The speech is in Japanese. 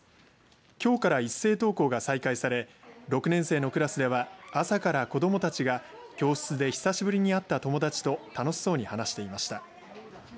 きょうから一斉登校が再開され６年生のクラスでは朝から子どもたちが教室で久しぶりに会った友達と楽しそうに話してました。